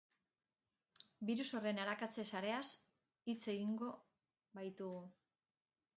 Birus horren arakatze sareaz hitz egingo baitugu.